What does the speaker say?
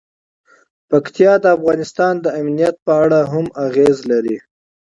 پکتیا د افغانستان د امنیت په اړه هم اغېز لري.